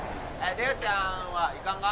梨央ちゃんは行かんが？